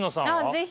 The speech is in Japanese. ぜひ。